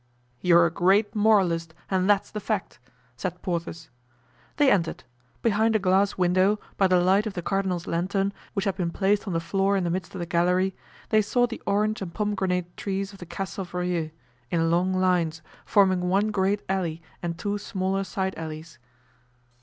"You're a great moralist, and that's the fact," said Porthos. They entered; behind a glass window, by the light of the cardinal's lantern, which had been placed on the floor in the midst of the gallery, they saw the orange and pomegranate trees of the Castle of Rueil, in long lines, forming one great alley and two smaller side alleys.